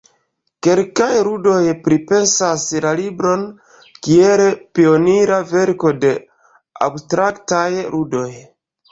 Kelkaj ludoj pripensas la libron kiel pionira verko de abstraktaj ludoj.